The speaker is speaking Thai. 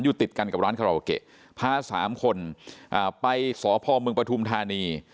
อยู่ติดกันกับร้านคาราวเกะพาสามคนอ่าไปสอพอมเมืองประทุมธานี